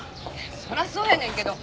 そりゃそうやねんけど。